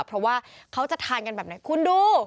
เพราะว่าเขาจะทานกันแบบไหนคุณดู